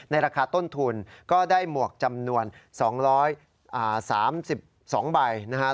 ราคาต้นทุนก็ได้หมวกจำนวน๒๓๒ใบนะครับ